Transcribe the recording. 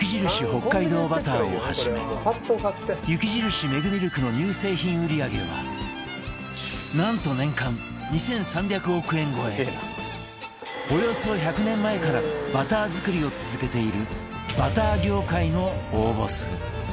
北海道バターをはじめ雪印メグミルクの乳製品売り上げはなんとおよそ１００年前からバター作りを続けているバター業界の大ボス